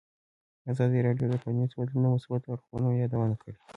ازادي راډیو د ټولنیز بدلون د مثبتو اړخونو یادونه کړې.